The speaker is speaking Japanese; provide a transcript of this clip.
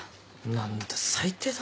何だ最低だなそれ。